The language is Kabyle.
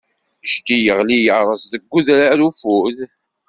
Jeddi yeɣli yeṛṛez deg udrar ufud.